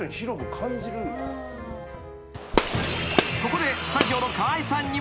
［ここでスタジオの河合さんに］